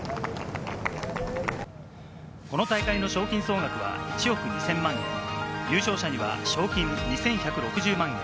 この大会の賞金総額は１億２０００万円、優勝者には賞金２１６０万円。